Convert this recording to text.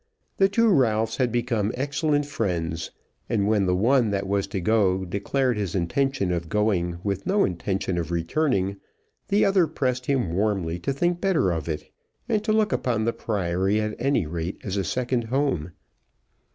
The two Ralphs had become excellent friends, and when the one that was to go declared his intention of going with no intention of returning, the other pressed him warmly to think better of it, and to look upon the Priory at any rate as a second home.